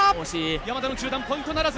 山田の中段ポイントならず。